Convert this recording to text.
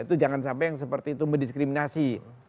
itu jangan sampai yang seperti itu mendiskriminasi